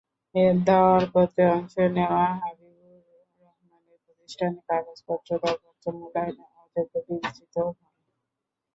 দরপত্রে অংশ নেওয়া হাবিবুর রহমানের প্রতিষ্ঠানের কাগজপত্র দরপত্র মূল্যায়নে অযোগ্য বিবেচিত হয়।